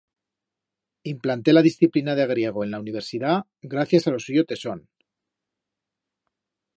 Implanté la discipina de griego en la universidat gracias a lo suyo tesón.